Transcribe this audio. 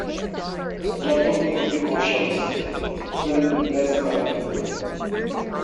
Let him take precautions; it will impress my people.